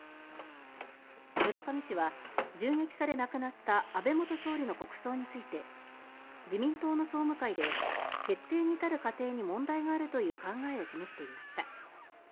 村上氏は銃撃され、亡くなった安倍元総理の国葬について自民党の総務会で「決定に至る過程に問題がある」という考えを示していました。